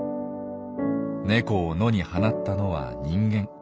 ネコを野に放ったのは人間。